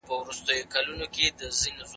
اوس د هغه مولوي ژبه ګونګۍ ده